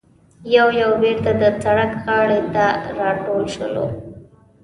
یو یو بېرته د سړک غاړې ته راټول شولو.